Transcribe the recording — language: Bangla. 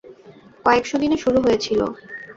কয়েকশো দিয়ে শুরু হয়েছিল।